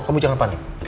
kamu jangan panik oke